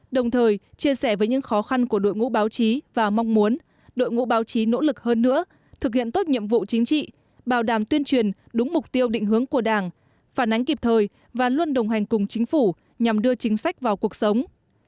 đồng thời chia sẻ với những khó khăn của đội ngũ báo chí và mong muốn đội ngũ báo chí nỗ lực hơn nữa thực hiện tốt nhiệm vụ chính trị bảo đảm tuyên truyền đúng mục tiêu định hướng của đảng phản ánh kịp thời và luôn đồng hành cùng chính phủ nhằm đưa chính sách vào cuộc sống